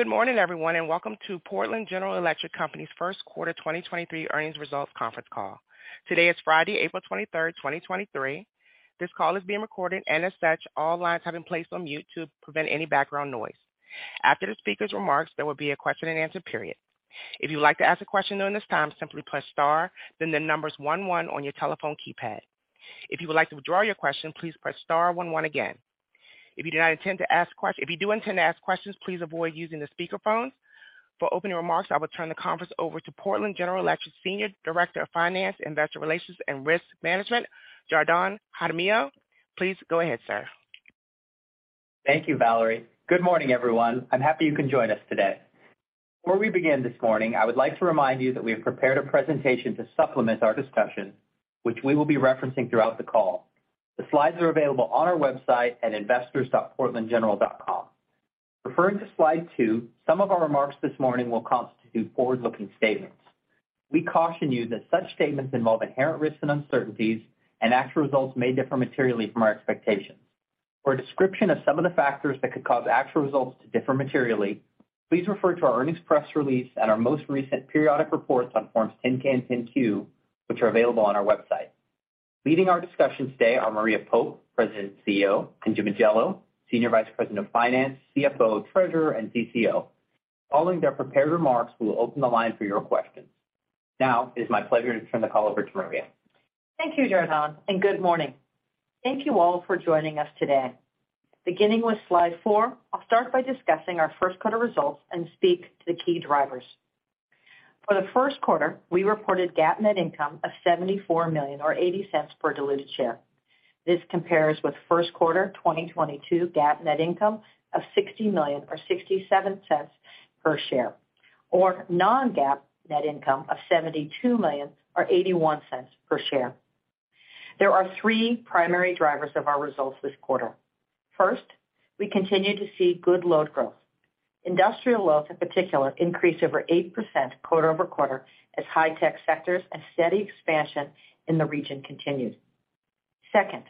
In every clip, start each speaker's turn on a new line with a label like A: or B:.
A: Good morning, everyone. Welcome to Portland General Electric Company's first quarter 2023 earnings results conference call. Today is Friday, April 23rd, 2023. This call is being recorded. As such, all lines have been placed on mute to prevent any background noise. After the speaker's remarks, there will be a question-and-answer period. If you'd like to ask a question during this time, simply press star one one on your telephone keypad. If you would like to withdraw your question, please press star one one again. If you do intend to ask questions, please avoid using the speaker phones. For opening remarks, I will turn the conference over to Portland General Electric's Senior Director of Finance, Investor Relations, and Risk Management, Jardon Jaramillo. Please go ahead, sir.
B: Thank you, Valerie. Good morning, everyone. I'm happy you can join us today. Before we begin this morning, I would like to remind you that we have prepared a presentation to supplement our discussion, which we will be referencing throughout the call. The slides are available on our website at investors.portlandgeneral.com. Referring to slide 2, some of our remarks this morning will constitute forward-looking statements. We caution you that such statements involve inherent risks and uncertainties, and actual results may differ materially from our expectations. For a description of some of the factors that could cause actual results to differ materially, please refer to our earnings press release at our most recent periodic reports on Forms 10-K and 10-Q, which are available on our website. Leading our discussion today are Maria Pope, President and CEO, and Jim Ajello, Senior Vice President of Finance, CFO, Treasurer, and CCO. Following their prepared remarks, we will open the line for your questions. Now it is my pleasure to turn the call over to Maria.
C: Thank you, Jardon. Good morning. Thank you all for joining us today. Beginning with slide 4, I'll start by discussing our first quarter results and speak to the key drivers. For the first quarter, we reported GAAP net income of $74 million or $0.80 per diluted share. This compares with first quarter 2022 GAAP net income of $60 million or $0.67 per share, or non-GAAP net income of $72 million or $0.81 per share. There are three primary drivers of our results this quarter. First, we continue to see good load growth. Industrial loads, in particular, increased over 8% quarter-over-quarter as high-tech sectors and steady expansion in the region continued. Second,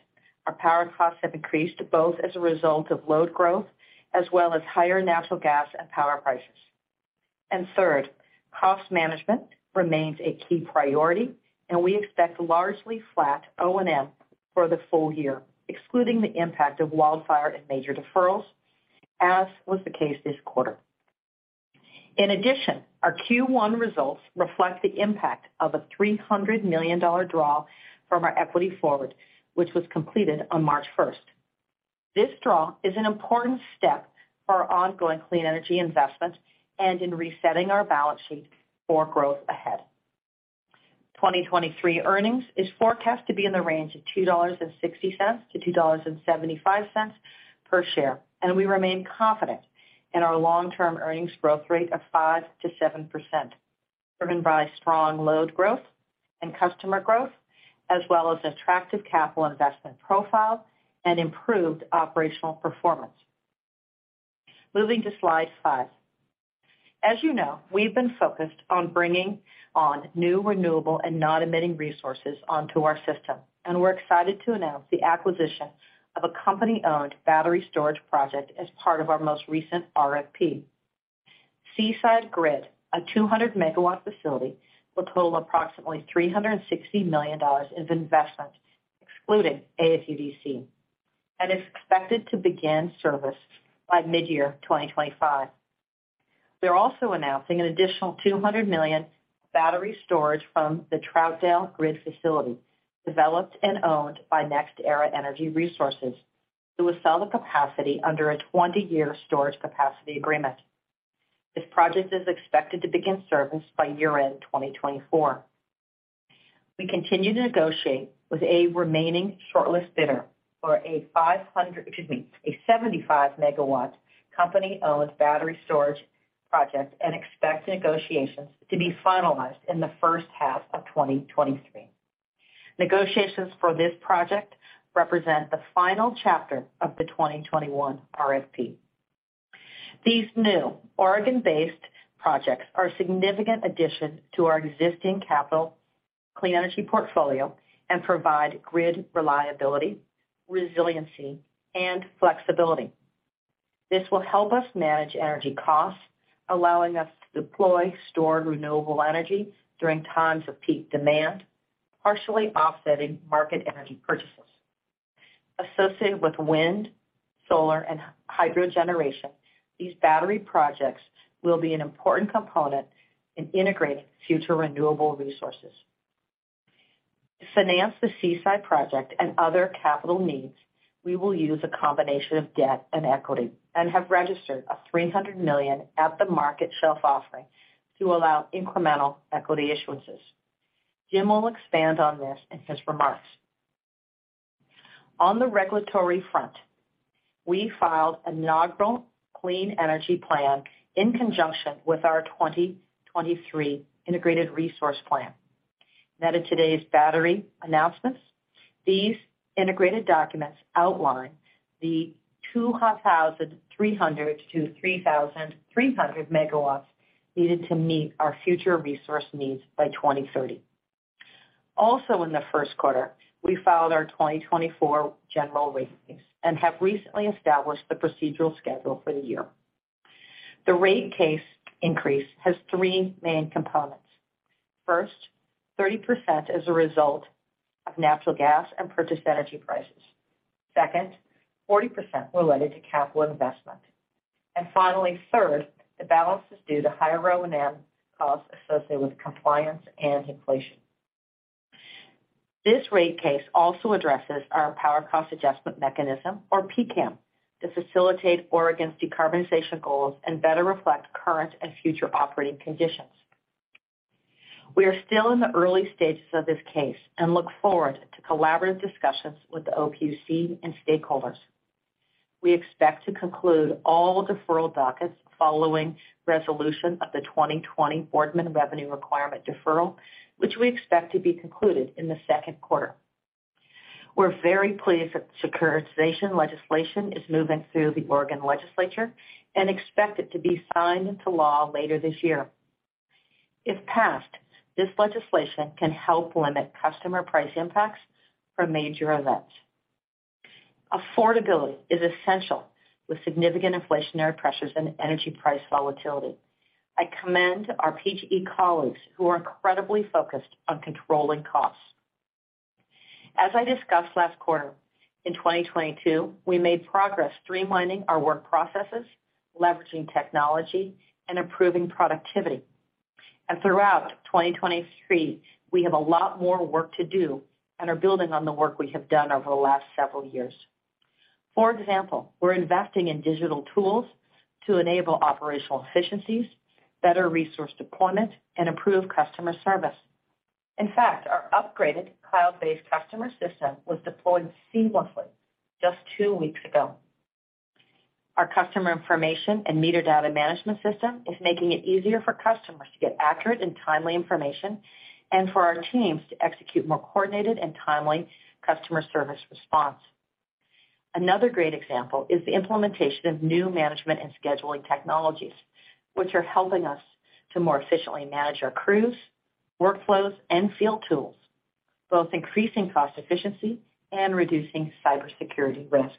C: our power costs have increased both as a result of load growth as well as higher natural gas and power prices. Third, cost management remains a key priority, and we expect largely flat O&M for the full year, excluding the impact of wildfire and major deferrals, as was the case this quarter. In addition, our Q1 results reflect the impact of a $300 million draw from our equity forward, which was completed on March first. This draw is an important step for our ongoing clean energy investment and in resetting our balance sheet for growth ahead. 2023 earnings is forecast to be in the range of $2.60-$2.75 per share, and we remain confident in our long-term earnings growth rate of 5%-7%, driven by strong load growth and customer growth, as well as attractive capital investment profile and improved operational performance. Moving to slide 5. As you know, we've been focused on bringing on new, renewable, and non-emitting resources onto our system, and we're excited to announce the acquisition of a company-owned battery storage project as part of our most recent RFP. Seaside, a 200 MW facility, will pull approximately $360 million in investment, excluding AFUDC, and is expected to begin service by mid-year 2025. We're also announcing an additional $200 million battery storage from the Troutdale, developed and owned by NextEra Energy Resources, who will sell the capacity under a 20-year storage capacity agreement. This project is expected to begin service by year-end 2024. We continue to negotiate with a remaining shortlist bidder for a 75 MW company-owned battery storage project and expect negotiations to be finalized in the first half of 2023. Negotiations for this project represent the final chapter of the 2021 RFP. These new Oregon-based projects are a significant addition to our existing capital clean energy portfolio and provide grid reliability, resiliency, and flexibility. This will help us manage energy costs, allowing us to deploy stored renewable energy during times of peak demand, partially offsetting market energy purchases. Associated with wind, solar, and hydro generation, these battery projects will be an important component in integrating future renewable resources. To finance the Seaside project and other capital needs, we will use a combination of debt and equity and have registered a $300 million at-the-market shelf offering to allow incremental equity issuances. Jim will expand on this in his remarks. On the regulatory front, we filed an inaugural clean energy plan in conjunction with our 2023 integrated resource plan. Net of today's battery announcements, these integrated documents outline the 2,300 MW to 3,300 MW needed to meet our future resource needs by 2030. In the first quarter, we filed our 2024 general rate case and have recently established the procedural schedule for the year. The rate case increase has three main components. First, 30% as a result of natural gas and purchased energy prices. Second, 40% related to capital investment. Finally, third, the balance is due to higher O&M costs associated with compliance and inflation. This rate case also addresses our power cost adjustment mechanism, or PCAM, to facilitate Oregon's decarbonization goals and better reflect current and future operating conditions. We are still in the early stages of this case and look forward to collaborative discussions with the OPUC and stakeholders. We expect to conclude all deferral dockets following resolution of the 2020 Boardman revenue requirement deferral, which we expect to be concluded in the second quarter. We're very pleased that securitization legislation is moving through the Oregon legislature and expect it to be signed into law later this year. If passed, this legislation can help limit customer price impacts from major events. Affordability is essential with significant inflationary pressures and energy price volatility. I commend our PGE colleagues who are incredibly focused on controlling costs. As I discussed last quarter, in 2022, we made progress streamlining our work processes, leveraging technology, and improving productivity. Throughout 2023, we have a lot more work to do and are building on the work we have done over the last several years. For example, we're investing in digital tools to enable operational efficiencies, better resource deployment, and improved customer service. In fact, our upgraded cloud-based customer system was deployed seamlessly just two weeks ago. Our customer information and meter data management system is making it easier for customers to get accurate and timely information and for our teams to execute more coordinated and timely customer service response. Another great example is the implementation of new management and scheduling technologies, which are helping us to more efficiently manage our crews, workflows, and field tools, both increasing cost efficiency and reducing cybersecurity risks.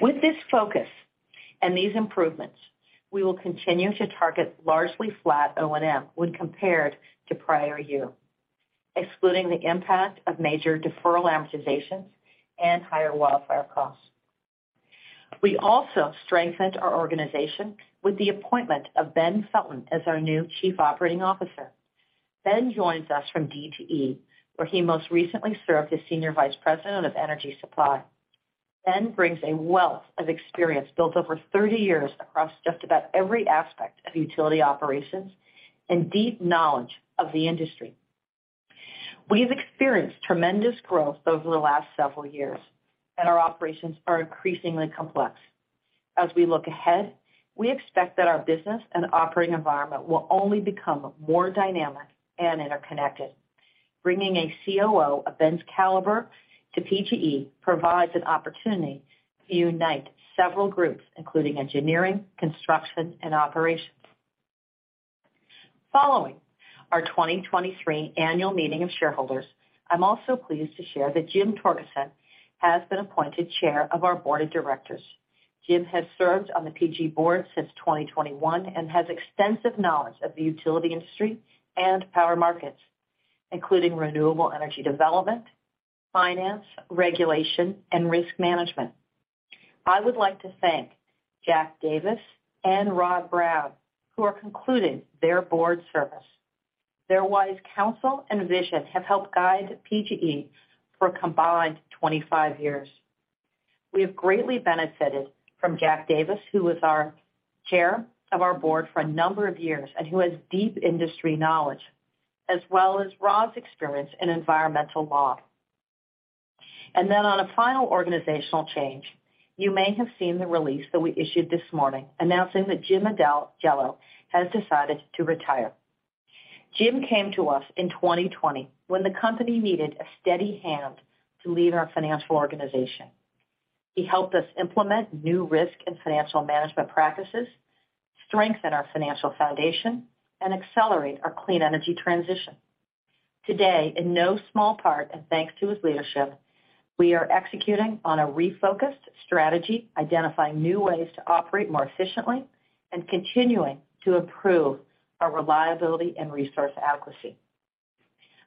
C: With this focus and these improvements, we will continue to target largely flat O&M when compared to prior year, excluding the impact of major deferral amortizations and higher wildfire costs. We also strengthened our organization with the appointment of Ben Felton as our new Chief Operating Officer. Ben joins us from DTE, where he most recently served as Senior Vice President of Energy Supply. Ben brings a wealth of experience built over 30 years across just about every aspect of utility operations and deep knowledge of the industry. We've experienced tremendous growth over the last several years, and our operations are increasingly complex. As we look ahead, we expect that our business and operating environment will only become more dynamic and interconnected. Bringing a COO of Ben's caliber to PGE provides an opportunity to unite several groups, including engineering, construction, and operations. Following our 2023 annual meeting of shareholders, I'm also pleased to share that Jim Torgerson has been appointed Chair of our Board of Directors. Jim has served on the PGE board since 2021 and has extensive knowledge of the utility industry and power markets, including renewable energy development, finance, regulation, and risk management. I would like to thank Jack Davis and Rod Brown, who are concluding their board service. Their wise counsel and vision have helped guide PGE for a combined 25 years. We have greatly benefited from Jack Davis, who was our chair of our board for a number of years and who has deep industry knowledge, as well as Rod's experience in environmental law. Then on a final organizational change, you may have seen the release that we issued this morning announcing that Jim Ajello has decided to retire. Jim came to us in 2020 when the company needed a steady hand to lead our financial organization. He helped us implement new risk and financial management practices, strengthen our financial foundation, and accelerate our clean energy transition. Today, in no small part and thanks to his leadership, we are executing on a refocused strategy, identifying new ways to operate more efficiently, and continuing to improve our reliability and resource adequacy.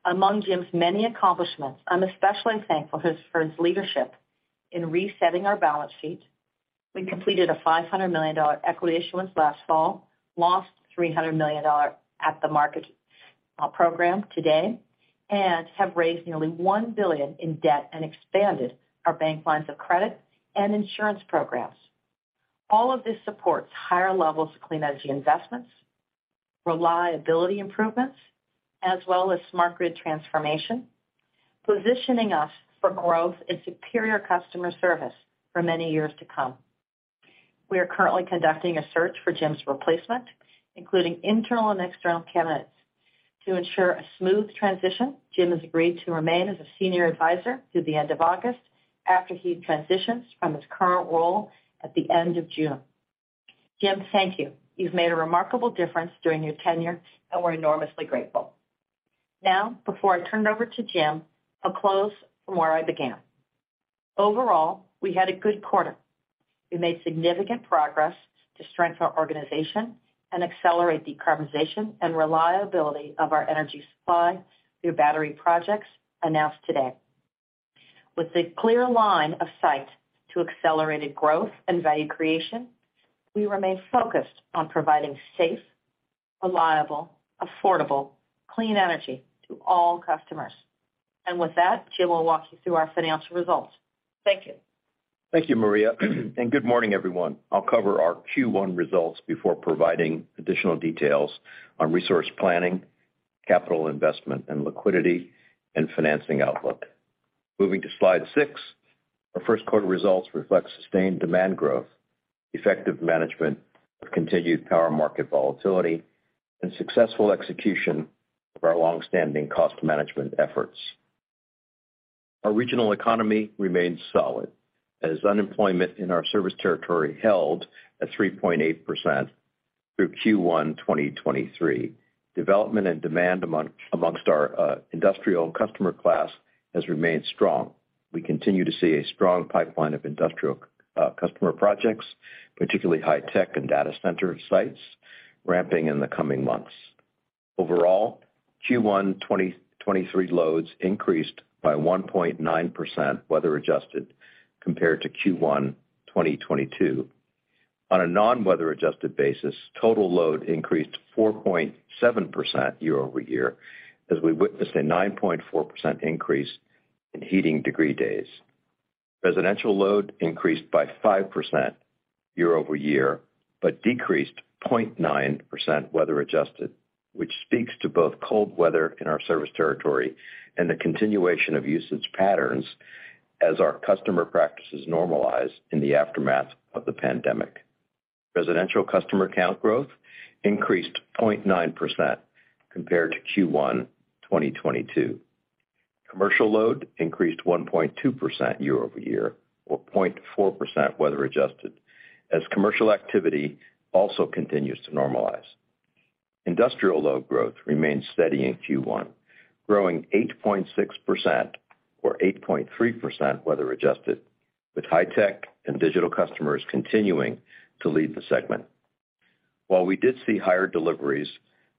C: Among Jim's many accomplishments, I'm especially thankful for his leadership in resetting our balance sheet. We completed a $500 million equity issuance last fall, lost $300 million at the market program today, and have raised nearly $1 billion in debt and expanded our bank lines of credit and insurance programs. All of this supports higher levels of clean energy investments, reliability improvements, as well as smart grid transformation, positioning us for growth and superior customer service for many years to come. We are currently conducting a search for Jim's replacement, including internal and external candidates. To ensure a smooth transition, Jim has agreed to remain as a senior advisor through the end of August after he transitions from his current role at the end of June. Jim, thank you. You've made a remarkable difference during your tenure, and we're enormously grateful. Before I turn it over to Jim, I'll close from where I began. Overall, we had a good quarter. We made significant progress to strengthen our organization and accelerate decarbonization and reliability of our energy supply through battery projects announced today. With a clear line of sight to accelerated growth and value creation, we remain focused on providing safe, reliable, affordable, clean energy to all customers. With that, Jim will walk you through our financial results. Thank you.
D: Thank you, Maria. Good morning, everyone. I'll cover our Q1 results before providing additional details on resource planning, capital investment, and liquidity and financing outlook. Moving to slide six, our first quarter results reflect sustained demand growth, effective management of continued power market volatility, and successful execution of our long-standing cost management efforts. Our regional economy remains solid as unemployment in our service territory held at 3.8% through Q1 2023. Development and demand amongst our industrial customer class has remained strong. We continue to see a strong pipeline of industrial customer projects, particularly high-tech and data center sites ramping in the coming months. Overall, Q1 2023 loads increased by 1.9% weather-adjusted compared to Q1 2022. On a non-weather-adjusted basis, total load increased 4.7% year-over-year as we witnessed a 9.4% increase in heating degree days. Residential load increased by 5% year-over-year, decreased 0.9% weather adjusted, which speaks to both cold weather in our service territory and the continuation of usage patterns as our customer practices normalize in the aftermath of the pandemic. Residential customer count growth increased 0.9% compared to Q1 2022. Commercial load increased 1.2% year-over-year or 0.4% weather adjusted as commercial activity also continues to normalize. Industrial load growth remains steady in Q1, growing 8.6%, or 8.3% weather-adjusted, with high-tech and digital customers continuing to lead the segment. While we did see higher deliveries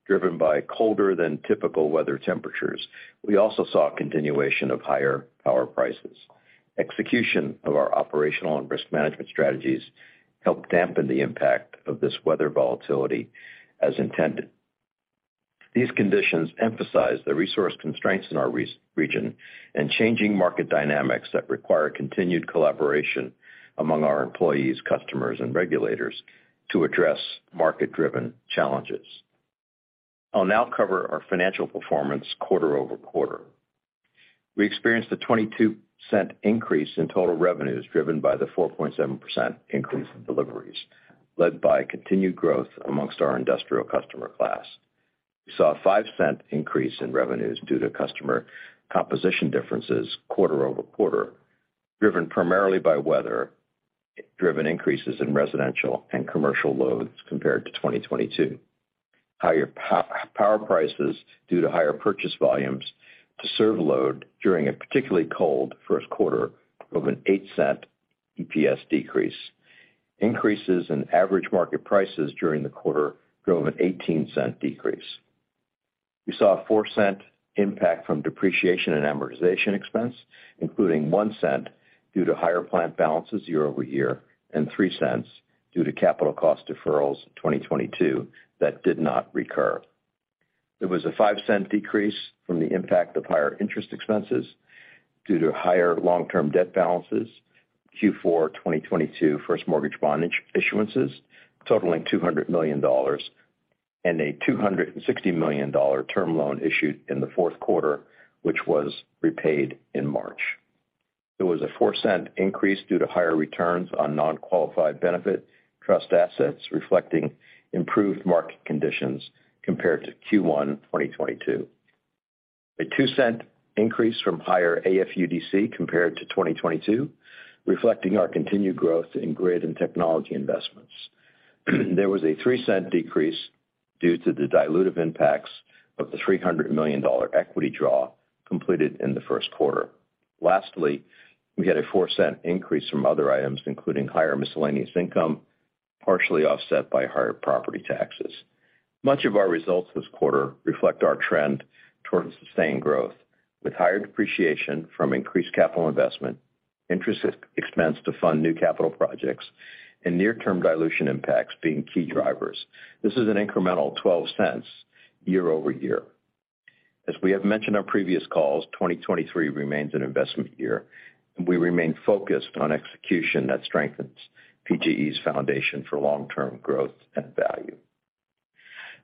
D: driven by colder than typical weather temperatures, we also saw a continuation of higher power prices. Execution of our operational and risk management strategies helped dampen the impact of this weather volatility as intended. These conditions emphasize the resource constraints in our region and changing market dynamics that require continued collaboration among our employees, customers, and regulators to address market-driven challenges. I'll now cover our financial performance quarter-over-quarter. We experienced a $0.22 increase in total revenues driven by the 4.7% increase in deliveries, led by continued growth amongst our industrial customer class. We saw a $0.05 increase in revenues due to customer composition differences quarter-over-quarter, driven primarily by weather-driven increases in residential and commercial loads compared to 2022. Higher power prices due to higher purchase volumes to serve load during a particularly cold first quarter drove an $0.08 EPS decrease. Increases in average market prices during the quarter drove an $0.18 decrease. We saw a $0.04 impact from depreciation and amortization expense, including $0.01 due to higher plant balances year-over-year and $0.03 due to capital cost deferrals in 2022 that did not recur. There was a $0.05 decrease from the impact of higher interest expenses due to higher long-term debt balances, Q4 2022 first mortgage bonds issuances totaling $200 million and a $260 million term loan issued in the fourth quarter, which was repaid in March. There was a $0.04 increase due to higher returns on non-qualified benefit trust assets reflecting improved market conditions compared to Q1 2022. A $0.02 increase from higher AFUDC compared to 2022, reflecting our continued growth in grid and technology investments. There was a $0.03 decrease due to the dilutive impacts of the $300 million equity draw completed in the first quarter. Lastly, we had a $0.04 increase from other items, including higher miscellaneous income, partially offset by higher property taxes. Much of our results this quarter reflect our trend towards sustained growth, with higher depreciation from increased capital investment, interest expense to fund new capital projects, and near-term dilution impacts being key drivers. This is an incremental $0.12 year-over-year. As we have mentioned on previous calls, 2023 remains an investment year, and we remain focused on execution that strengthens PGE's foundation for long-term growth and value.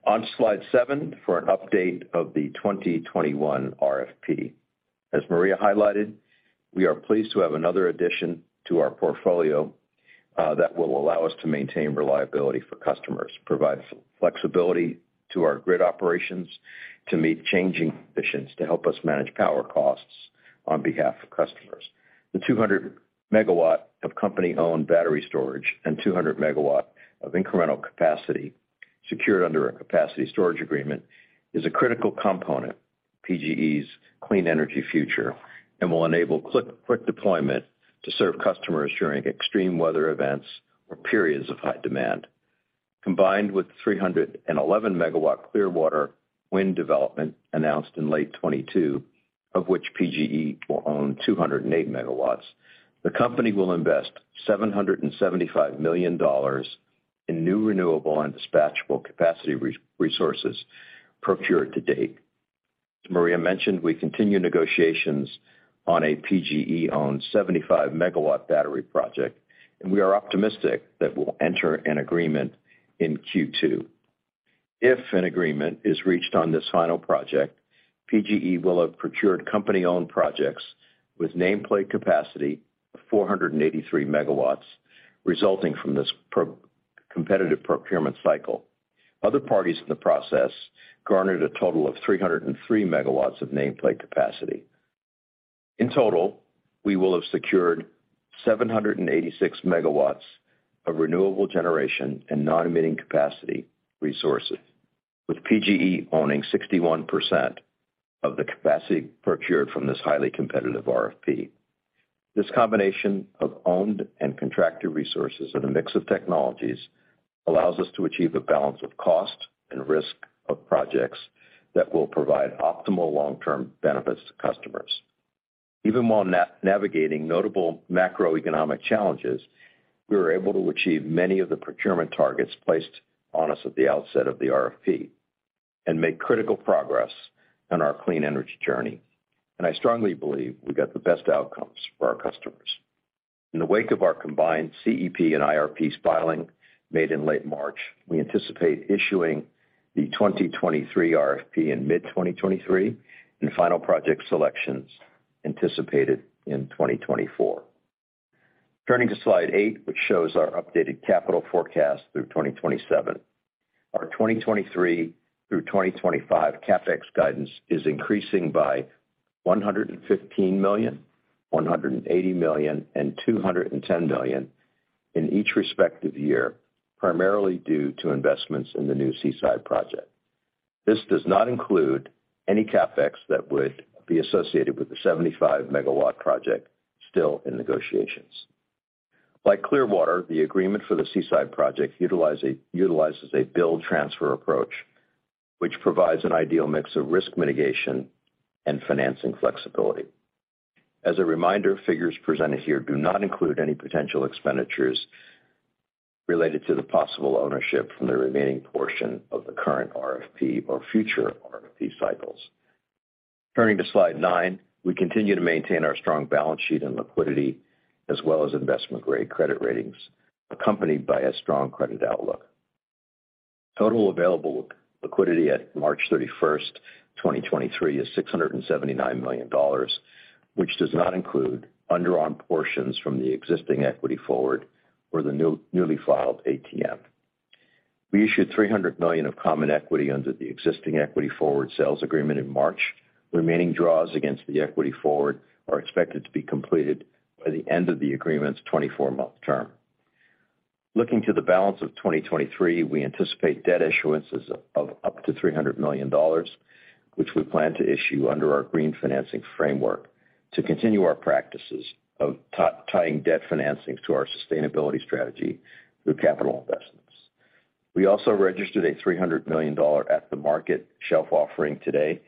D: On slide 7 for an update of the 2021 RFP. As Maria highlighted, we are pleased to have another addition to our portfolio that will allow us to maintain reliability for customers, provide flexibility to our grid operations to meet changing conditions to help us manage power costs on behalf of customers. The 200 MW of company-owned battery storage and 200 MW of incremental capacity secured under a capacity storage agreement is a critical component, PGE's clean energy future and will enable quick deployment to serve customers during extreme weather events or periods of high demand. Combined with 311 MW Clearwater Wind development announced in late 2022, of which PGE will own 208 MWs, the company will invest $775 million in new renewable and dispatchable capacity resources procured to date. As Maria mentioned, we continue negotiations on a PGE-owned 75 MW battery project, we are optimistic that we'll enter an agreement in Q2. If an agreement is reached on this final project, PGE will have procured company-owned projects with nameplate capacity of 483 MW resulting from this competitive procurement cycle. Other parties in the process garnered a total of 303 MW of nameplate capacity. In total, we will have secured 786 MW of renewable generation and non-emitting capacity resources, with PGE owning 61% of the capacity procured from this highly competitive RFP. This combination of owned and contracted resources with a mix of technologies allows us to achieve a balance of cost and risk of projects that will provide optimal long-term benefits to customers. Even while navigating notable macroeconomic challenges, we were able to achieve many of the procurement targets placed on us at the outset of the RFP and make critical progress on our clean energy journey. I strongly believe we got the best outcomes for our customers. In the wake of our combined CEP and IRPs filing made in late March, we anticipate issuing the 2023 RFP in mid-2023 and final project selections anticipated in 2024. Turning to slide 8, which shows our updated capital forecast through 2027. Our 2023 through 2025 CapEx guidance is increasing by $115 million, $180 million, and $210 million in each respective year, primarily due to investments in the new Seaside project. This does not include any CapEx that would be associated with the 75 MW project still in negotiations. Like Clearwater, the agreement for the Seaside project utilizes a build transfer approach, which provides an ideal mix of risk mitigation and financing flexibility. As a reminder, figures presented here do not include any potential expenditures related to the possible ownership from the remaining portion of the current RFP or future RFP cycles. Turning to slide 9, we continue to maintain our strong balance sheet and liquidity as well as investment-grade credit ratings, accompanied by a strong credit outlook. Total available liquidity at March 31, 2023 is $679 million, which does not include undrawn portions from the existing equity forward or the newly filed ATM. We issued $300 million of common equity under the existing equity forward sales agreement in March. Remaining draws against the equity forward are expected to be completed by the end of the agreement's 24-month term. Looking to the balance of 2023, we anticipate debt issuances of up to $300 million, which we plan to issue under our Green Financing Framework to continue our practices of tying debt financing to our sustainability strategy through capital investments. We also registered a $300 million ATM shelf offering today.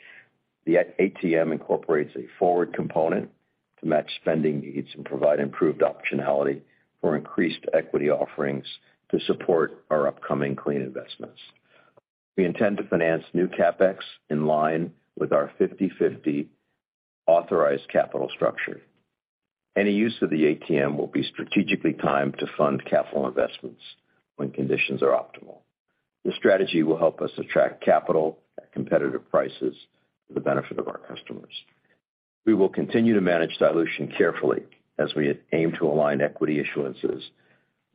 D: The ATM incorporates a forward component to match spending needs and provide improved optionality for increased equity offerings to support our upcoming clean investments. We intend to finance new CapEx in line with our 50/50 authorized capital structure. Any use of the ATM will be strategically timed to fund capital investments when conditions are optimal. This strategy will help us attract capital at competitive prices for the benefit of our customers. We will continue to manage dilution carefully as we aim to align equity issuances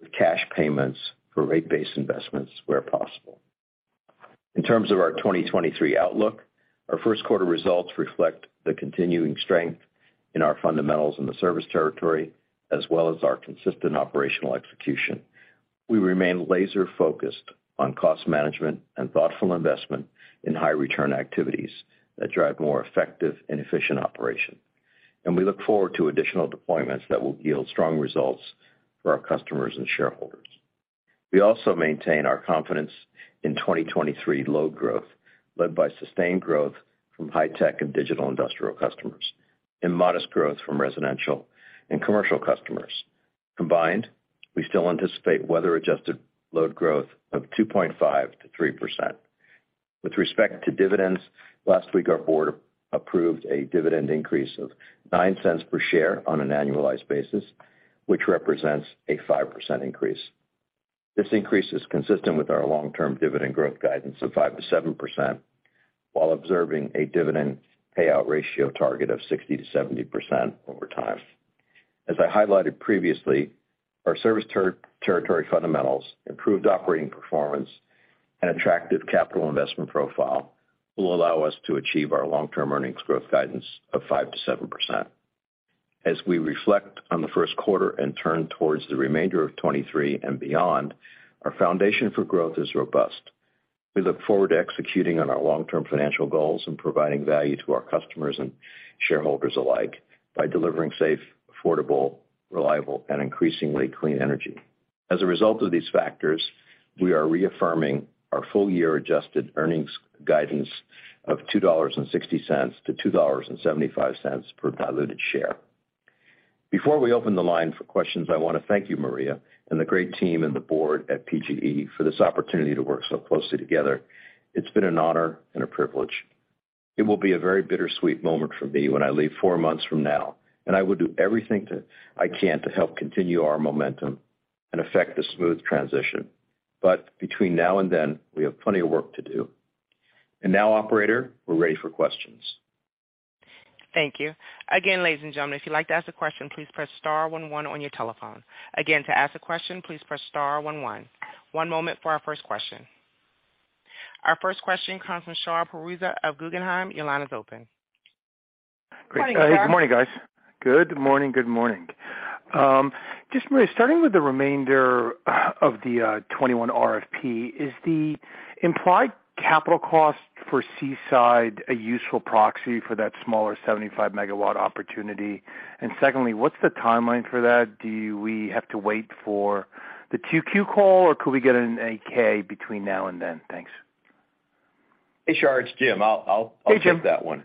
D: with cash payments for rate-based investments where possible. In terms of our 2023 outlook, our first quarter results reflect the continuing strength in our fundamentals in the service territory, as well as our consistent operational execution. We remain laser-focused on cost management and thoughtful investment in high return activities that drive more effective and efficient operation. We look forward to additional deployments that will yield strong results for our customers and shareholders. We also maintain our confidence in 2023 load growth, led by sustained growth from high-tech and digital industrial customers and modest growth from residential and commercial customers. Combined, we still anticipate weather-adjusted load growth of 2.5%-3%. With respect to dividends, last week our board approved a dividend increase of $0.09 per share on an annualized basis, which represents a 5% increase. This increase is consistent with our long-term dividend growth guidance of 5%-7% while observing a dividend payout ratio target of 60%-70% over time. As I highlighted previously, our service territory fundamentals, improved operating performance and attractive capital investment profile will allow us to achieve our long-term earnings growth guidance of 5%-7%. As we reflect on the first quarter and turn towards the remainder of 2023 and beyond, our foundation for growth is robust. We look forward to executing on our long-term financial goals and providing value to our customers and shareholders alike by delivering safe, affordable, reliable, and increasingly clean energy. As a result of these factors, we are reaffirming our full-year adjusted earnings guidance of $2.60-$2.75 per diluted share. Before we open the line for questions, I want to thank you, Maria, and the great team and the board at PGE for this opportunity to work so closely together. It's been an honor and a privilege. It will be a very bittersweet moment for me when I leave four months from now, I will do everything I can to help continue our momentum and affect a smooth transition. Between now and then, we have plenty of work to do. Now, operator, we're ready for questions.
A: Thank you. Ladies and gentlemen, if you'd like to ask a question, please press star one one on your telephone. To ask a question, please press star one one. One moment for our first question. Our first question comes from Shar Pourreza of Guggenheim. Your line is open.
E: Good morning, guys. Good morning. Just Maria, starting with the remainder of the 2021 RFP, is the implied capital cost for Seaside a useful proxy for that smaller 75 MW opportunity? Secondly, what's the timeline for that? Do we have to wait for the Q2 call, or could we get an 8-K between now and then? Thanks.
D: Hey, Shar. It's Jim. I'll-
E: Hey, Jim...
D: take that one.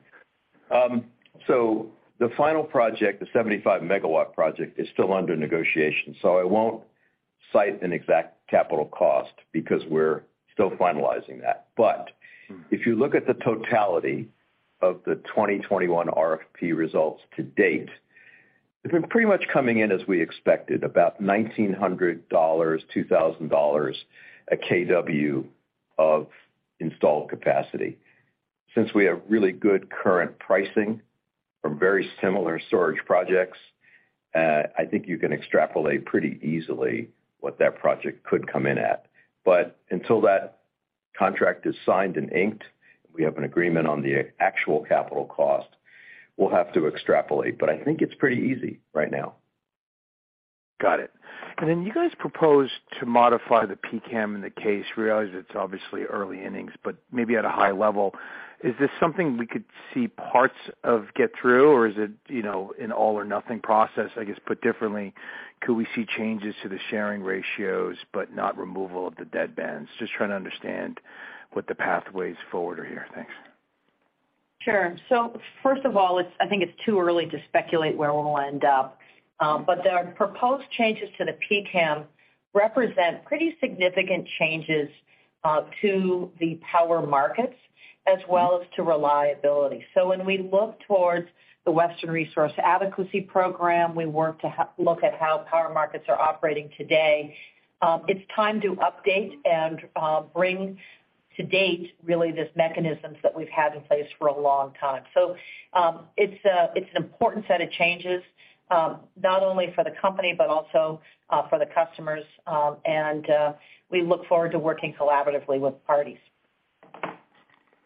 D: The final project, the 75 MW project, is still under negotiation. I won't cite an exact capital cost because we're still finalizing that. If you look at the totality of the 2021 RFP results to date, they've been pretty much coming in as we expected, about $1,900-$2,000 a kW of installed capacity. Since we have really good current pricing from very similar storage projects, I think you can extrapolate pretty easily what that project could come in at. Until that contract is signed and inked, we have an agreement on the actual capital cost, we'll have to extrapolate. I think it's pretty easy right now.
E: Got it. Then you guys proposed to modify the PCAM and the case. We realize it's obviously early innings, but maybe at a high level. Is this something we could see parts of get through, or is it, you know, an all or nothing process? I guess put differently, could we see changes to the sharing ratios but not removal of the deadbands? Just trying to understand what the pathways forward are here. Thanks.
C: Sure. I think it's too early to speculate where we'll end up. The proposed changes to the PCAM represent pretty significant changes to the power markets as well as to reliability. When we look towards the Western Resource Adequacy Program, we work to look at how power markets are operating today, it's time to update and bring to date, really, these mechanisms that we've had in place for a long time. It's a, it's an important set of changes, not only for the company, but also for the customers. We look forward to working collaboratively with parties.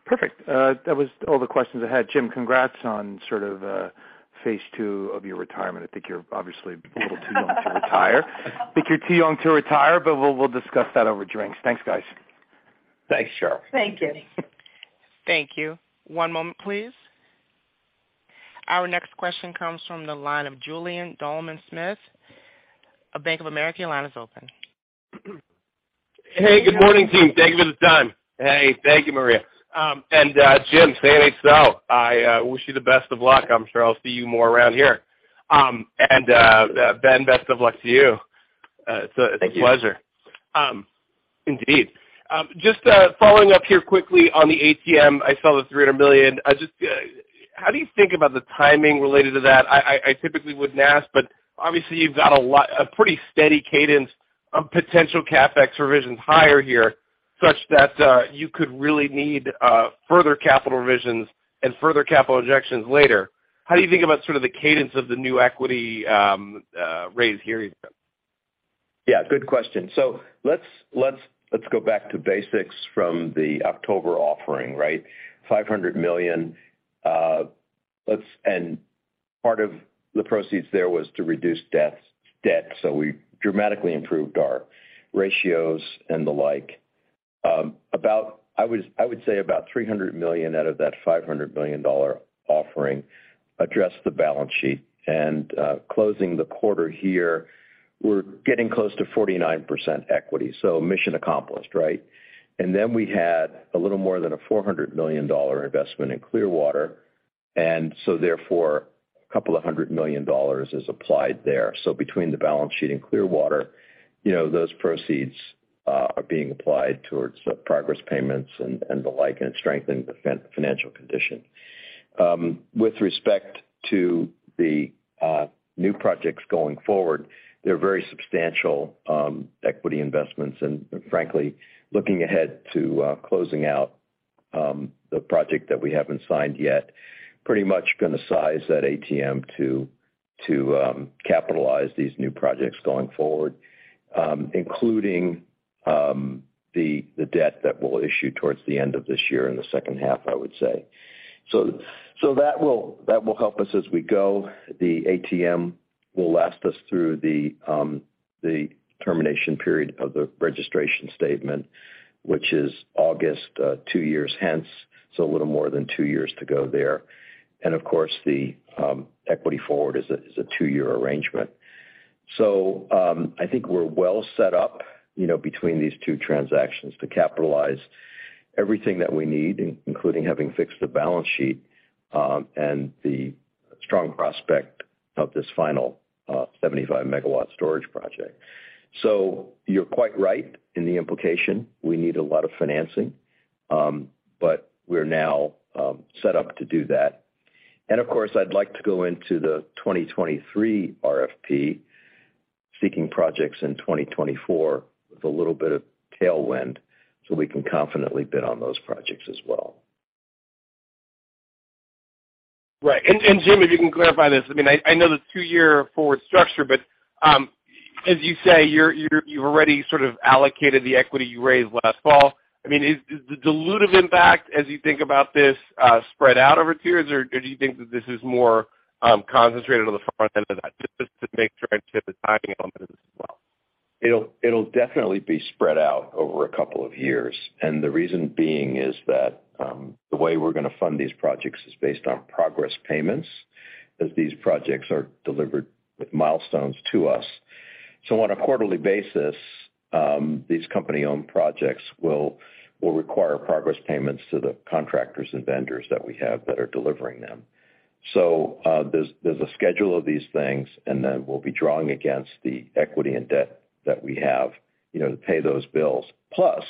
E: Perfect. That was all the questions I had. Jim, congrats on sort of, phase two of your retirement. I think you're obviously a little too young to retire. I think you're too young to retire, but we'll discuss that over drinks. Thanks, guys.
D: Thanks, Shar.
C: Thank you.
A: Thank you. One moment, please. Our next question comes from the line of Julien Dumoulin-Smith of Bank of America. Your line is open.
F: Hey, good morning, team. Thank you for the time. Hey, thank you, Maria. Jim, say it so. I wish you the best of luck. I'm sure I'll see you more around here. Ben, best of luck to you.
D: Thank you.
F: It's a pleasure. Indeed. Just following up here quickly on the ATM, I saw the $300 million. Just how do you think about the timing related to that? I typically wouldn't ask, but obviously you've got a pretty steady cadence of potential CapEx revisions higher here, such that you could really need further capital revisions and further capital injections later. How do you think about sort of the cadence of the new equity raise here?
D: Yeah, good question. Let's go back to basics from the October offering, right? $500 million, part of the proceeds there was to reduce debt, so we dramatically improved our ratios and the like. I would say about $300 million out of that $500 million offering addressed the balance sheet. Closing the quarter here, we're getting close to 49% equity. Mission accomplished, right? Then we had a little more than a $400 million investment in Clearwater, therefore, $200 million is applied there. Between the balance sheet and Clearwater, you know, those proceeds, are being applied towards progress payments and the like, and strengthen the financial condition. With respect to the new projects going forward, they're very substantial equity investments. Frankly, looking ahead to closing out the project that we haven't signed yet, pretty much gonna size that ATM to capitalize these new projects going forward, including the debt that we'll issue towards the end of this year in the second half, I would say. That will help us as we go. The ATM will last us through the termination period of the registration statement, which is August, two years hence, so a little more than two years to go there. Of course, the equity forward is a two-year arrangement. I think we're well set up, you know, between these two transactions to capitalize everything that we need, including having fixed the balance sheet, and the strong prospect of this final 75 MW storage project. You're quite right in the implication. We need a lot of financing, but we're now set up to do that. Of course, I'd like to go into the 2023 RFP seeking projects in 2024 with a little bit of tailwind so we can confidently bid on those projects as well.
F: Right. Jim, if you can clarify this. I mean, I know the two-year forward structure, but as you say, you've already sort of allocated the equity you raised last fall. I mean, is the dilutive impact as you think about this, spread out over two years, or do you think that this is more concentrated on the front end of that? Just to make sure I understand the timing element of this as well.
D: It'll definitely be spread out over a couple of years. The reason being is that the way we're gonna fund these projects is based on progress payments as these projects are delivered with milestones to us. On a quarterly basis, these company-owned projects will require progress payments to the contractors and vendors that we have that are delivering them. There's a schedule of these things, and then we'll be drawing against the equity and debt that we have, you know, to pay those bills. Plus,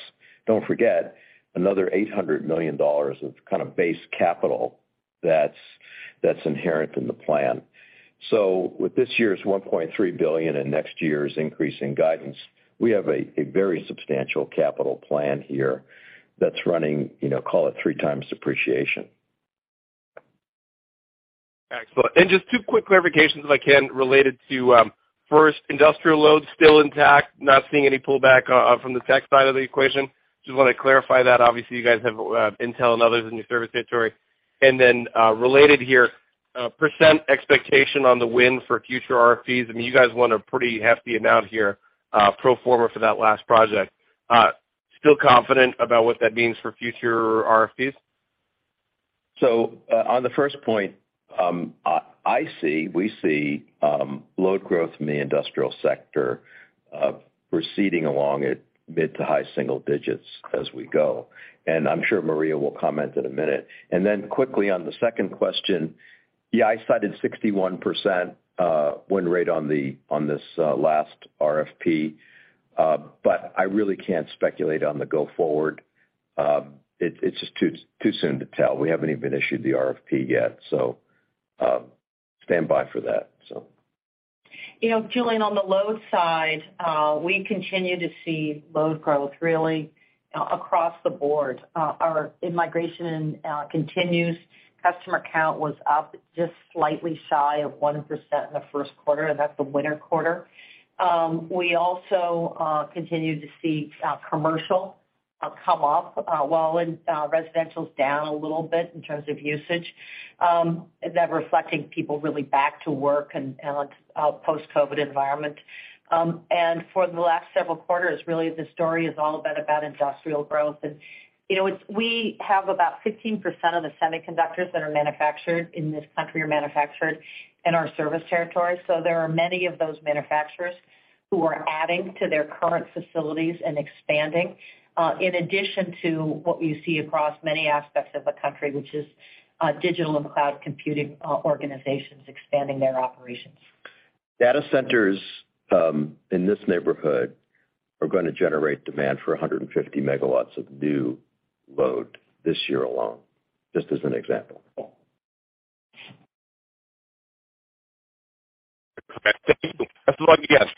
D: don't forget, another $800 million of kind of base capital that's inherent in the plan. With this year's $1.3 billion and next year's increase in guidance, we have a very substantial capital plan here that's running, you know, call it 3x depreciation.
F: Excellent. Just two quick clarifications if I can, related to, first, industrial loads still intact, not seeing any pullback from the tech side of the equation. Just wanna clarify that. Obviously, you guys have Intel and others in your service territory. Then, related here, percent expectation on the win for future RFPs. I mean, you guys won a pretty hefty amount here, pro forma for that last project. Still confident about what that means for future RFPs?
D: On the first point, I see, we see load growth in the industrial sector, proceeding along at mid- to high- single-digits as we go, and I'm sure Maria will comment in a minute. Quickly on the second question, yeah, I cited 61% win rate on this last RFP, but I really can't speculate on the go forward. It's just too soon to tell. We haven't even issued the RFP yet, stand by for that.
C: You know, Julien, on the load side, we continue to see load growth really across the board. Our immigration continues. Customer count was up just slightly shy of 1% in the first quarter, and that's the winter quarter. We also continued to see commercial come up, while residential's down a little bit in terms of usage, that reflecting people really back to work and post-COVID environment. For the last several quarters, really the story has all been about industrial growth. You know, we have about 15% of the semiconductors that are manufactured in this country are manufactured in our service territory. There are many of those manufacturers who are adding to their current facilities and expanding, in addition to what you see across many aspects of the country, which is digital and cloud computing, organizations expanding their operations.
D: Data centers, in this neighborhood are gonna generate demand for 150 MW of new load this year alone, just as an example.
F: Thank you. That's all I need, yes.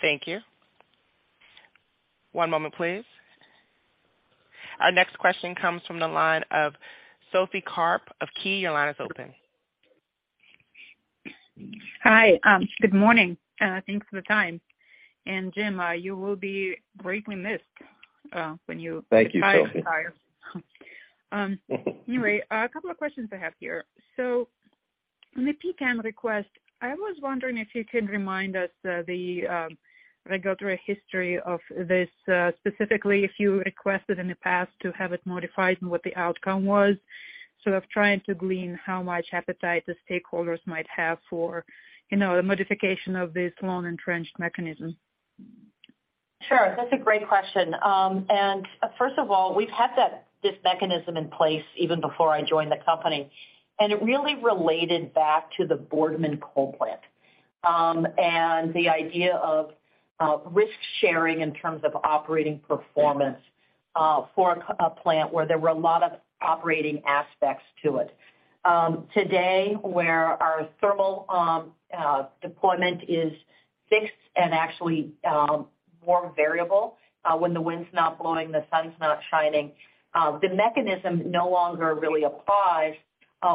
A: Thank you. One moment please. Our next question comes from the line of Sophie Karp of KeyBanc. Your line is open.
G: Hi. Good morning. Thanks for the time. Jim, you will be greatly missed.
D: Thank you, Sophie.
G: Anyway, a couple of questions I have here. In the PCAM request, I was wondering if you could remind us, the regulatory history of this, specifically if you requested in the past to have it modified and what the outcome was, sort of trying to glean how much appetite the stakeholders might have for, you know, a modification of this long-entrenched mechanism.
C: Sure. That's a great question. First of all, we've had this mechanism in place even before I joined the company, and it really related back to the Boardman Coal Plant, and the idea of risk-sharing in terms of operating performance for a plant where there were a lot of operating aspects to it. Today, where our thermal deployment is fixed and actually More variable, when the wind's not blowing, the sun's not shining. The mechanism no longer really applies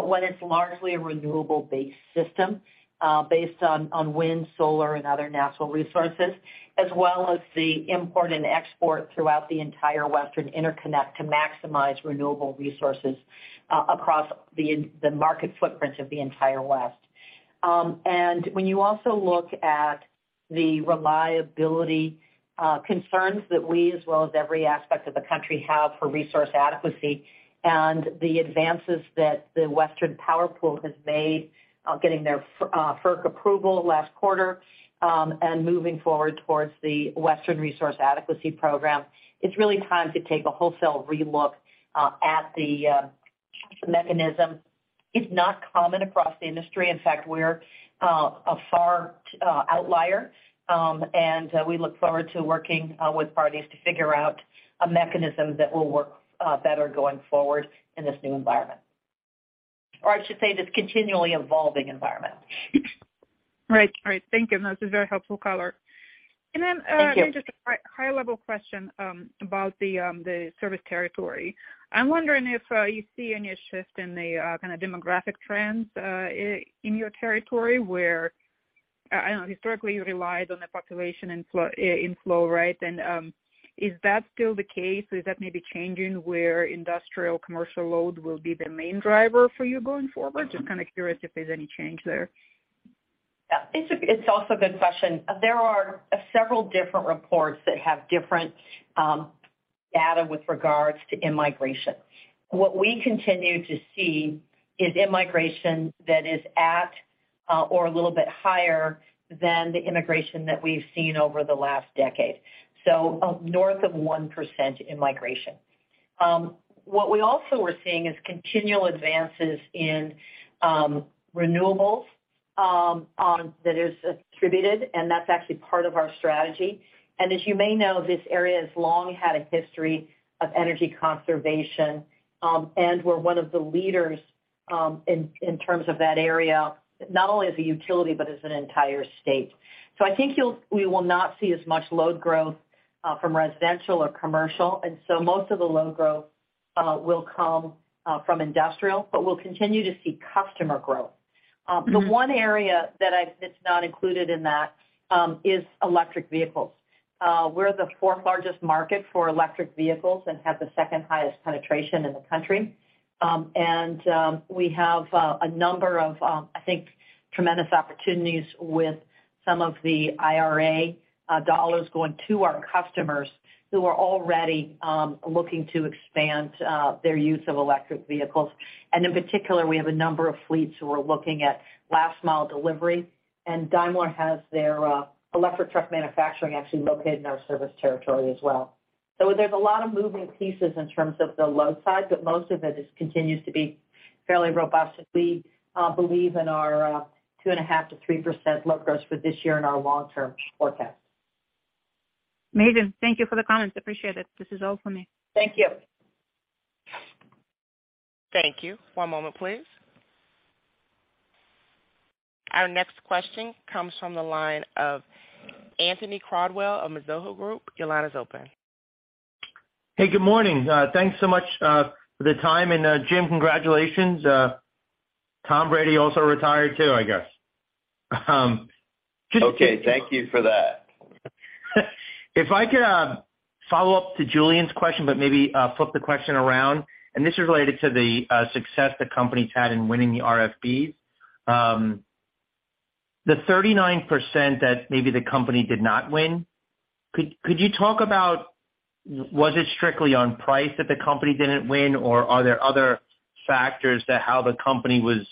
C: when it's largely a renewable-based system, based on wind, solar, and other natural resources, as well as the import and export throughout the entire Western Interconnection to maximize renewable resources across the market footprint of the entire West. When you also look at the reliability concerns that we as well as every aspect of the country have for resource adequacy and the advances that the Western Power Pool has made, getting their FERC approval last quarter, and moving forward towards the Western Resource Adequacy Program, it's really time to take a wholesale relook at the mechanism. It's not common across the industry. In fact, we're a far outlier, and we look forward to working with parties to figure out a mechanism that will work better going forward in this new environment. I should say, this continually evolving environment.
G: Right. Right. Thank you. That's a very helpful color.
C: Thank you.
G: Maybe just a high-level question about the service territory. I'm wondering if you see any shift in the kind of demographic trends in your territory where, I don't know, historically, you relied on the population inflow, right? Is that still the case? Is that maybe changing where industrial commercial load will be the main driver for you going forward? Just kind of curious if there's any change there.
C: It's also a good question. There are several different reports that have different data with regards to in-migration. What we continue to see is in-migration that is at, or a little bit higher than the immigration that we've seen over the last decade. North of 1% in-migration. What we also are seeing is continual advances in renewables that is distributed, and that's actually part of our strategy. As you may know, this area has long had a history of energy conservation, and we're one of the leaders in terms of that area, not only as a utility, but as an entire state. I think we will not see as much load growth from residential or commercial, most of the load growth will come from industrial, but we'll continue to see customer growth. The one area that's not included in that is electric vehicles. We're the fourth largest market for electric vehicles and have the second highest penetration in the country. And we have a number of I think tremendous opportunities with some of the IRA dollars going to our customers who are already looking to expand their use of electric vehicles. In particular, we have a number of fleets who are looking at last mile delivery, Daimler has their electric truck manufacturing actually located in our service territory as well. There's a lot of moving pieces in terms of the load side, but most of it just continues to be fairly robust as we believe in our 2.5%-3% load growth for this year and our long-term forecast.
G: Amazing. Thank you for the comments. Appreciate it. This is all for me.
C: Thank you.
A: Thank you. One moment, please. Our next question comes from the line of Anthony Crowdell of Mizuho Group. Your line is open.
H: Hey, good morning. Thanks so much for the time. Jim, congratulations. Tom Brady also retired too, I guess.
D: Okay, thank you for that.
H: If I could follow up to Julien's question, but maybe flip the question around, and this is related to the success the company's had in winning the RFPs. The 39% that maybe the company did not win, could you talk about was it strictly on price that the company didn't win, or are there other factors to how the company was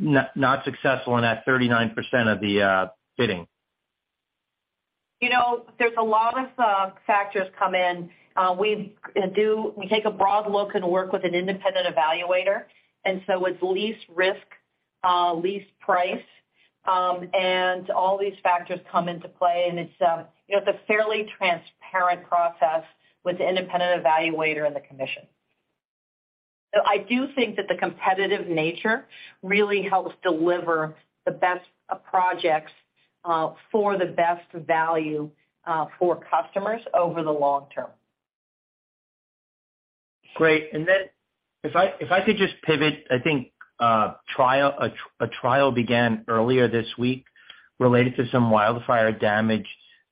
H: not successful in that 39% of the bidding?
C: You know, there's a lot of factors come in. We take a broad look and work with an independent evaluator. It's least risk, least price, and all these factors come into play. It's, you know, a fairly transparent process with the independent evaluator and the commission. I do think that the competitive nature really helps deliver the best projects, for the best value, for customers over the long term.
H: Great. Then if I could just pivot, I think a trial began earlier this week related to some wildfire damage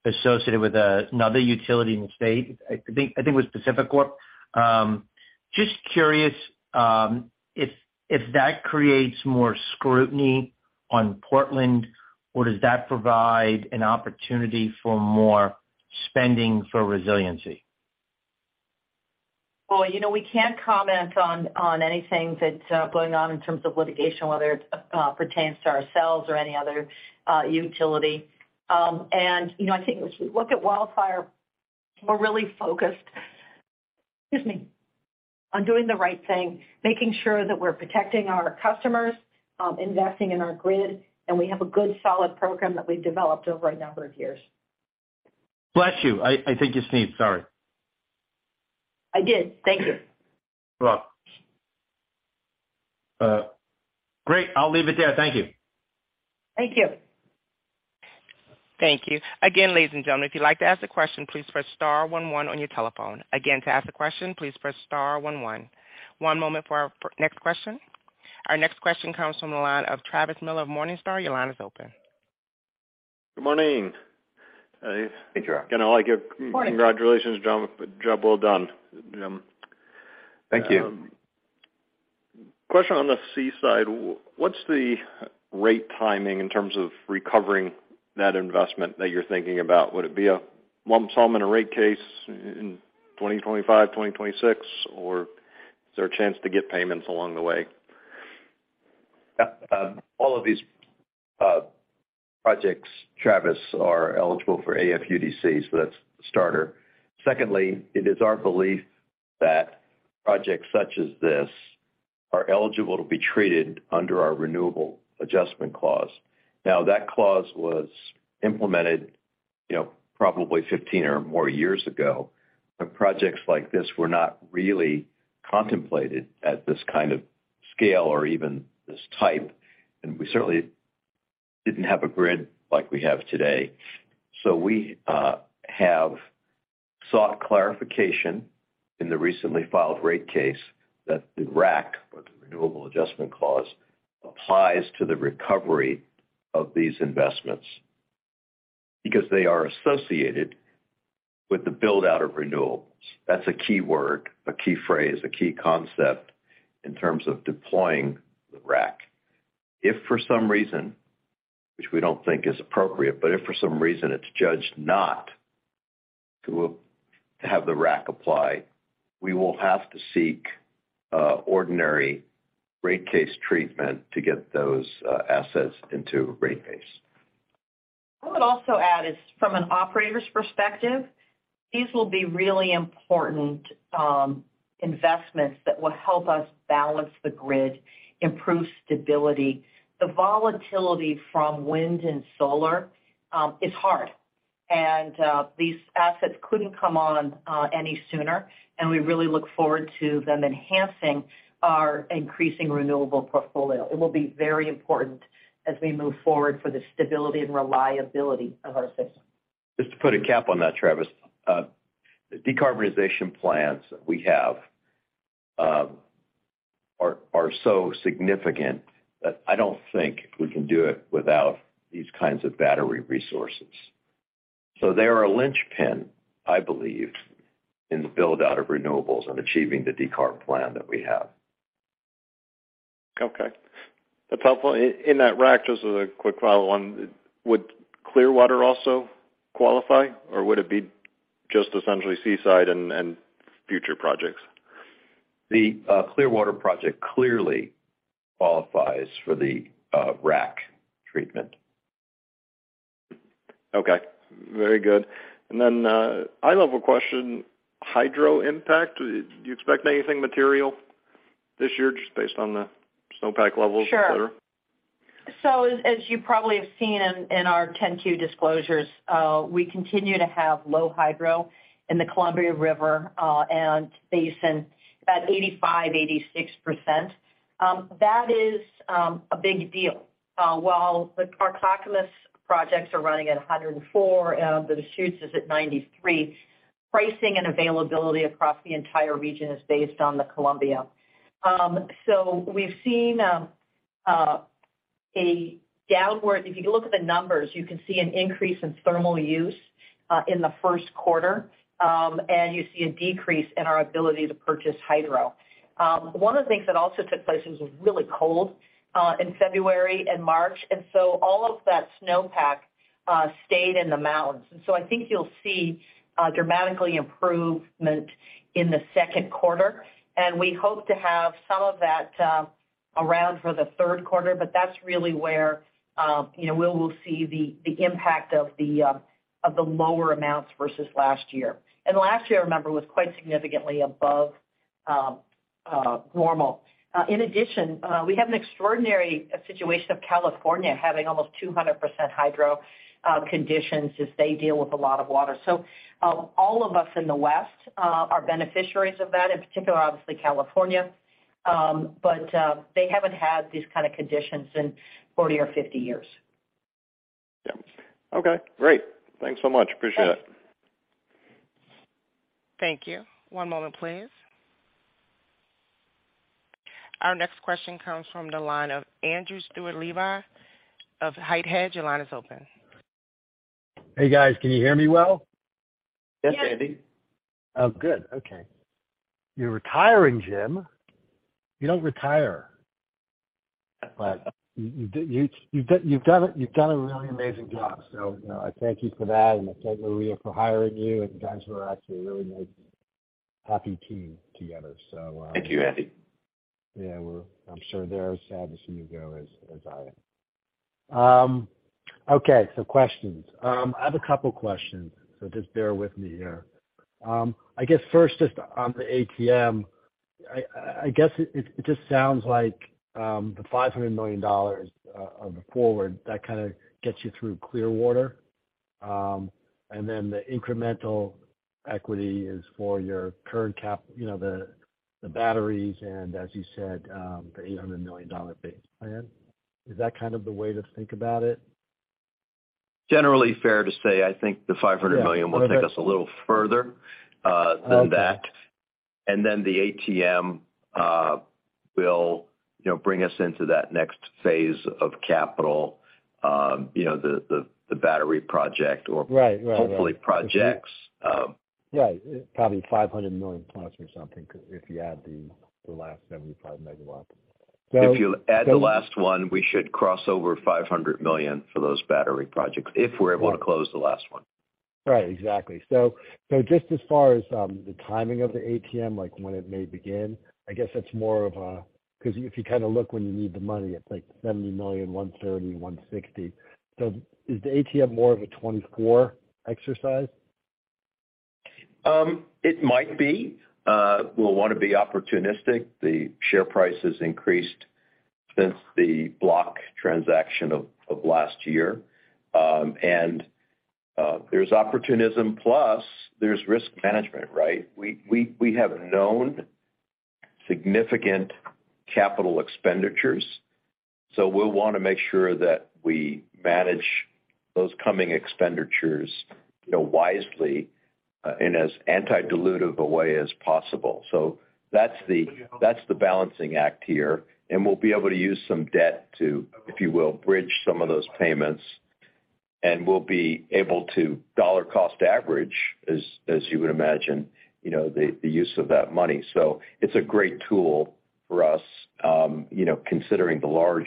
H: associated with another utility in the state. I think it was PacifiCorp. Just curious, if that creates more scrutiny on Portland, or does that provide an opportunity for more spending for resiliency?
C: Well, you know, we can't comment on anything that's going on in terms of litigation, whether it pertains to ourselves or any other utility. You know, I think if you look at wildfire, we're really focused, excuse me, on doing the right thing, making sure that we're protecting our customers, investing in our grid, and we have a good, solid program that we've developed over a number of years.
H: Bless you. I think you sneezed. Sorry.
C: I did. Thank you.
H: You're welcome. Great. I'll leave it there. Thank you.
C: Thank you.
A: Thank you. Again, ladies and gentlemen, if you'd like to ask a question, please press star one one on your telephone. Again, to ask a question, please press star one one. One moment for our next question. Our next question comes from the line of Travis Miller of Morningstar. Your line is open.
I: Good morning.
D: Hey, Travis.
I: Can I give-
C: Morning.
I: Congratulations, Jim. Job well done, Jim.
D: Thank you.
I: Question on the Seaside. What's the rate timing in terms of recovering that investment that you're thinking about? Would it be a lump sum in a rate case in 2025, 2026, or is there a chance to get payments along the way?
D: All of these projects, Travis, are eligible for AFUDC. That's a starter. Secondly, it is our belief that projects such as this are eligible to be treated under our Renewable Adjustment Clause. That clause was implemented, you know, probably 15 or more years ago. Projects like this were not really contemplated at this kind of scale or even this type, and we certainly didn't have a grid like we have today. We have sought clarification in the recently filed rate case that the RAC, or the Renewable Adjustment Clause, applies to the recovery of these investments because they are associated with the build-out of renewables. That's a key word, a key phrase, a key concept in terms of deploying the RAC. If for some reason, which we don't think is appropriate, but if for some reason it's judged not to have the RAC apply, we will have to seek ordinary rate case treatment to get those assets into rate base.
C: I would also add is from an operator's perspective, these will be really important investments that will help us balance the grid, improve stability. The volatility from wind and solar is hard. These assets couldn't come on any sooner, and we really look forward to them enhancing our increasing renewable portfolio. It will be very important as we move forward for the stability and reliability of our system.
D: Just to put a cap on that, Travis, the decarbonization plans we have, are so significant that I don't think we can do it without these kinds of battery resources. They are a linchpin, I believe, in the build-out of renewables and achieving the decarb plan that we have.
I: Okay. That's helpful. In that RAC, just as a quick follow-on, would Clearwater also qualify, or would it be just essentially Seaside and future projects?
D: The Clearwater project clearly qualifies for the RAC treatment.
I: Okay. Very good. Then, high-level question, hydro impact, do you expect anything material this year just based on the snowpack levels, et cetera?
C: Sure. As you probably have seen in our 10-Q disclosures, we continue to have low hydro in the Columbia River and basin, about 85%-86%. That is a big deal. While the Tucannon projects are running at 104 and the Deschutes is at 93, pricing and availability across the entire region is based on the Columbia. We've seen, if you look at the numbers, you can see an increase in thermal use in the first quarter, and you see a decrease in our ability to purchase hydro. One of the things that also took place, it was really cold in February and March, all of that snowpack stayed in the mountains. I think you'll see a dramatically improvement in the second quarter, and we hope to have some of that, around for the third quarter, but that's really where, you know, we will see the impact of the, of the lower amounts versus last year. Last year, remember, was quite significantly above normal. In addition, we have an extraordinary situation of California having almost 200% hydro conditions as they deal with a lot of water. All of us in the west are beneficiaries of that, in particular, obviously, California. But they haven't had these kind of conditions in 40 or 50 years.
I: Yeah. Okay. Great. Thanks so much. Appreciate it.
C: Thanks.
A: Thank you. One moment, please. Our next question comes from the line of Andrew Stuart Levi of HITE Hedge. Your line is open.
J: Hey, guys. Can you hear me well?
D: Yes, Andy.
C: Yes.
J: Oh, good. Okay. You're retiring, Jim. You don't retire. You've done a really amazing job, so, you know, I thank you for that, and I thank Maria for hiring you. You guys were actually a really nice happy team together, so,
D: Thank you, Andy.
J: Yeah, I'm sure they're as sad to see you go as I am. Okay. Questions. I have a couple questions, so just bear with me here. I guess first, just on the ATM, it just sounds like the $500 million on the forward, that kind of gets you through Clearwater. Then the incremental equity is for your current CapEx, you know, the batteries, and as you said, the $800 million base plan. Is that kind of the way to think about it?
D: Generally fair to say, I think the $500 million-
J: Yeah....
D: will take us a little further-
J: Okay....
D: than that. Then the ATM, will, you know, bring us into that next phase of capital, you know, the battery project.
J: Right. Right. Right.
D: Hopefully projects.
J: Right. Probably $500+ million or something if you add the last 75 MW.
D: If you add the last one, we should cross over $500 million for those battery projects, if we're able to close the last one.
J: Right. Exactly. Just as far as the timing of the ATM, like when it may begin, I guess that's more of a... 'Cause if you kind of look when you need the money, it's like $70 million, $130, $160. Is the ATM more of a 2024 exercise?
D: It might be. We'll want to be opportunistic. The share price has increased since the block transaction of last year. There's opportunism plus there's risk management, right? We have known significant capital expenditures, so we'll want to make sure that we manage those coming expenditures, you know, wisely, in as anti-dilutive a way as possible. That's the balancing act here, and we'll be able to use some debt to, if you will, bridge some of those payments, and we'll be able to dollar cost average, as you would imagine, you know, the use of that money. It's a great tool for us, you know, considering the large,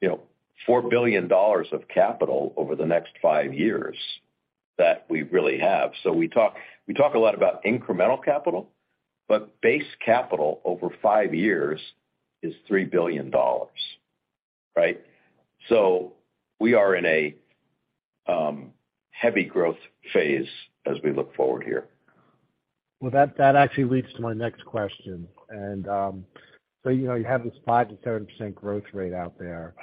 D: you know, $4 billion of capital over the next five years that we really have. We talk a lot about incremental capital, but base capital over five years is $3 billion, right? We are in a heavy growth phase as we look forward here.
J: Well, that actually leads to my next question. You know, you have this 5%-7% growth rate out there.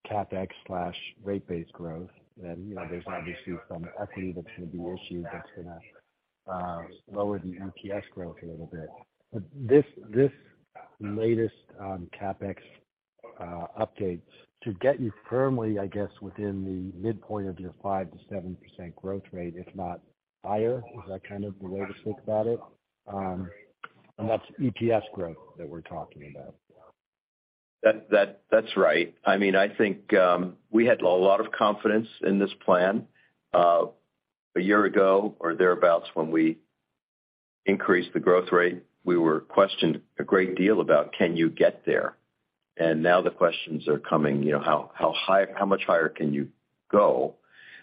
J: Obviously, you have a tremendous amount of, CapEx/rate base growth. You know, there's obviously some equity that's gonna be issued that's gonna, lower the EPS growth a little bit. This latest, CapEx, updates to get you firmly, I guess, within the midpoint of your 5%-7% growth rate, if not higher. Is that kind of the way to think about it? That's EPS growth that we're talking about.
D: That's right. I mean, I think, we had a lot of confidence in this plan. A year ago or thereabouts, when we increased the growth rate, we were questioned a great deal about can you get there? Now the questions are coming, you know, how much higher can you go?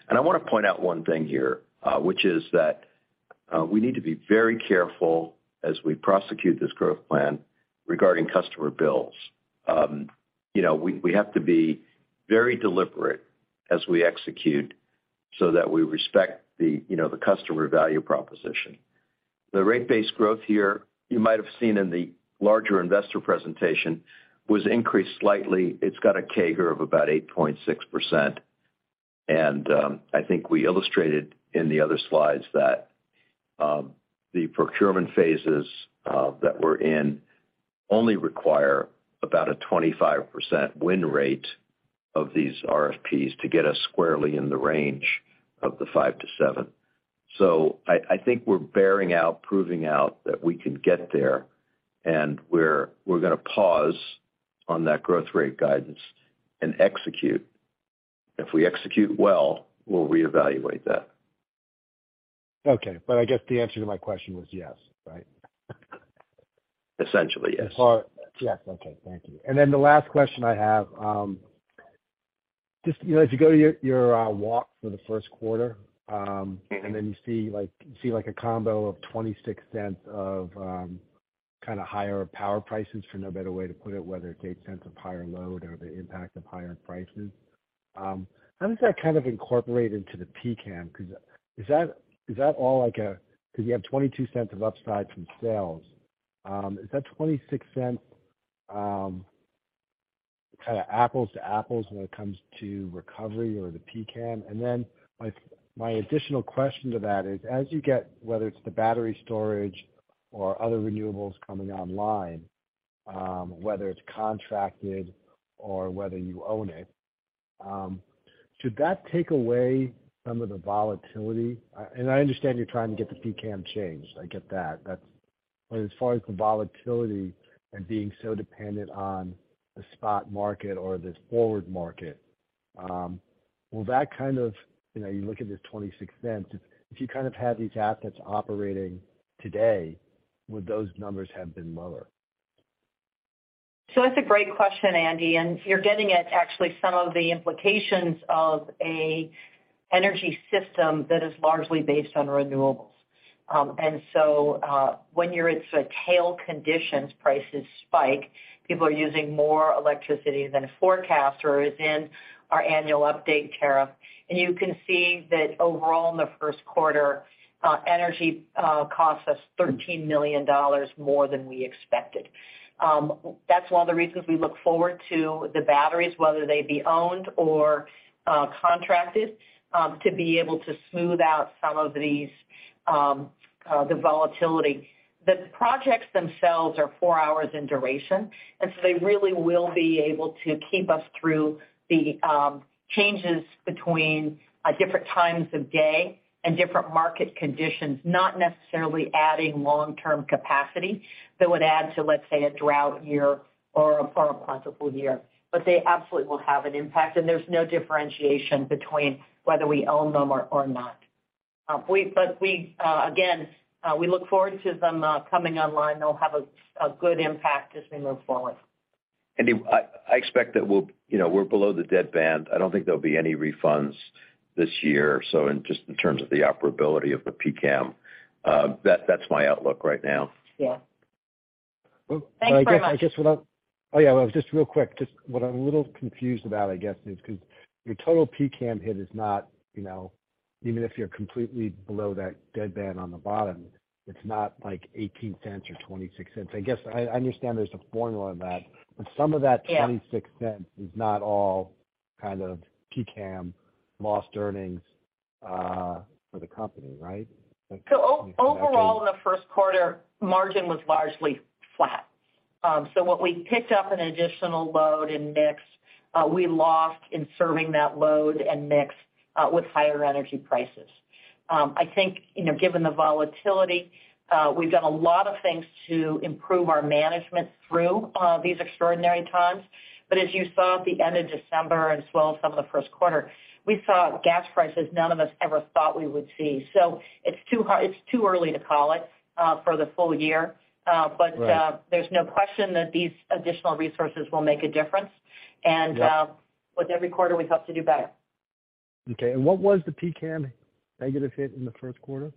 D: I wanna point out one thing here, which is that, we need to be very careful as we prosecute this growth plan regarding customer bills. You know, we have to be very deliberate as we execute so that we respect the, you know, the customer value proposition. The rate base growth here, you might have seen in the larger investor presentation, was increased slightly. It's got a CAGR of about 8.6%. I think we illustrated in the other slides that the procurement phases that we're in only require about a 25% win rate of these RFPs to get us squarely in the range of the 5%-7%. I think we're bearing out, proving out that we can get there, and we're gonna pause on that growth rate guidance and execute. If we execute well, we'll reevaluate that.
J: Okay, I guess the answer to my question was yes, right?
D: Essentially, yes.
J: In part. Yes. Okay. Thank you. Then the last question I have, just, you know, as you go to your, walk for the first quarter.
D: Mm-hmm.
J: You see, like, you see like a combo of $0.26 of, kind of higher power prices, for no better way to put it, whether it's $0.08 of higher load or the impact of higher prices, how does that kind of incorporate into the PCAM? 'Cause is that, is that all like a... 'Cause you have $0.22 of upside from sales. Is that $0.26, kind of apples to apples when it comes to recovery or the PCAM? My additional question to that is, as you get, whether it's the battery storage or other renewables coming online, whether it's contracted or whether you own it, should that take away some of the volatility? I understand you're trying to get the PCAM changed. I get that. That's... As far as the volatility and being so dependent on the spot market or this forward market, will that kind of, you know, you look at this $0.26, if you kind of had these assets operating today, would those numbers have been lower?
C: That's a great question, Andy, and you're getting at actually some of the implications of a energy system that is largely based on renewables. When you're in sort of tail conditions, prices spike, people are using more electricity than a forecaster is in our annual update tariff. You can see that overall in the first quarter, energy cost us $13 million more than we expected. That's one of the reasons we look forward to the batteries, whether they be owned or contracted, to be able to smooth out some of these the volatility. The projects themselves are four hours in duration, they really will be able to keep us through the changes between different times of day and different market conditions, not necessarily adding long-term capacity that would add to, let's say, a drought year or a plentiful year. They absolutely will have an impact, and there's no differentiation between whether we own them or not. But we, again, we look forward to them coming online. They'll have a good impact as we move forward.
D: I expect that we'll, you know, we're below the deadband. I don't think there'll be any refunds this year. Just in terms of the operability of the PCAM, that's my outlook right now.
C: Yeah.
J: Well.
C: Thanks very much.
J: Oh, yeah. Well, just real quick, just what I'm a little confused about, I guess, is because your total PCAM hit is not, you know, even if you're completely below that deadband on the bottom, it's not like $0.18 or $0.26. I guess I understand there's a formula on that.
C: Yeah.
J: Some of that $0.26 is not all kind of PCAM lost earnings, for the company, right?
C: Overall in the first quarter, margin was largely flat. What we picked up in additional load and mix, we lost in serving that load and mix, with higher energy prices. I think, you know, given the volatility, we've done a lot of things to improve our management through these extraordinary times. As you saw at the end of December and as well as some of the first quarter, we saw gas prices none of us ever thought we would see. It's too early to call it for the full year.
J: Right.
C: There's no question that these additional resources will make a difference.
J: Yeah.
C: With every quarter, we hope to do better.
J: Okay. What was the PCAM negative hit in the first quarter?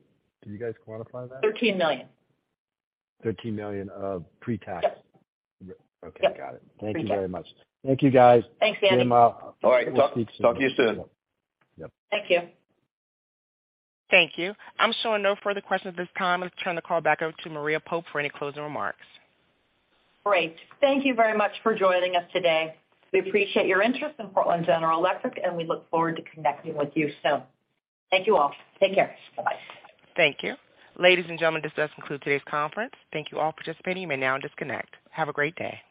J: Did you guys quantify that?
C: $13 million.
J: $13 million pre-tax?
C: Yes.
J: Okay. Got it.
C: Pre-tax.
J: Thank you very much. Thank you guys.
C: Thanks, Andy.
J: See you tomorrow.
D: All right. Talk to you soon.
J: Yep.
C: Thank you.
A: Thank you. I'm showing no further questions at this time. Let's turn the call back out to Maria Pope for any closing remarks.
C: Great. Thank you very much for joining us today. We appreciate your interest in Portland General Electric, and we look forward to connecting with you soon. Thank you all. Take care. Bye.
A: Thank you. Ladies and gentlemen, this does conclude today's conference. Thank you all for participating. You may now disconnect. Have a great day.